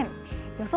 予想